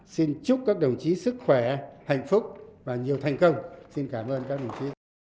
xin chúc các đồng chí sức khỏe hạnh phúc và nhiều thành công xin cảm ơn các đồng chí